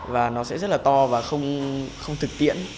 và nó sẽ rất là to và không thực tiễn